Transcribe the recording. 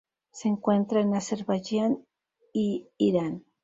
Se encuentra en Azerbaiyán y Irán.